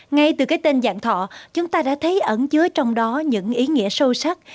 ngay từ cái tên dạng thọ chúng ta đã thấy ẩn chứa trong đó những ý nghĩa sâu sắc